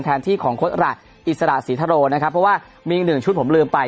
แทนที่ของโค้ดระอิสระศรีทะโรนะครับเพราะว่ามีอีกหนึ่งชุดผมลืมไป